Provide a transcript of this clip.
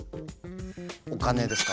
お金ですか？